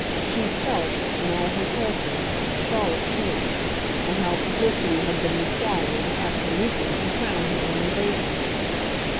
She FELT, in all her pulses, Charlotte feel it, and how publicity had been required, absolutely, to crown her own abasement.